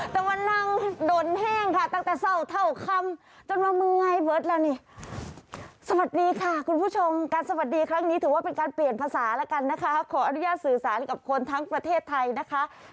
สวัสดีค่ะคุณผู้ชมการสวัสดีครั้งนี้ถือว่าเป็นการเปลี่ยนภาษาแล้วกันนะคะขออนุญาตสื่อสารกับคนทั้งประเทศไทยนะครับ